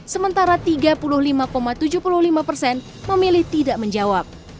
sementara tiga puluh lima tujuh puluh lima persen memilih tidak menjawab